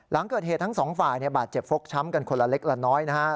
หลังเกิดเหตุทั้งสองฝ่ายบาดเจ็บฟกช้ำกันคนละเล็กละน้อยนะฮะ